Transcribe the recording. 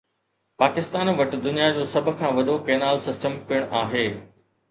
پاڪستان وٽ دنيا جو سڀ کان وڏو ڪينال سسٽم پڻ آهي